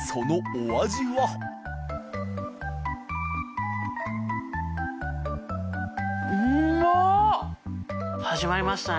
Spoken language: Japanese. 餅田）始まりましたね